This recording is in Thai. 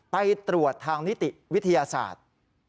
ไปตรวจทางนิติวิทยาศาสตร์